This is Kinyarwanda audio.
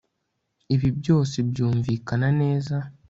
Ibi byose byumvikana neza